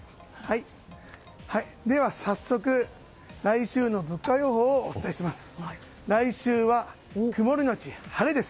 では早速来週の物価予報をお伝えします。